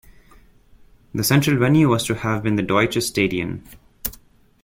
The central venue was to have been the Deutsches Stadion.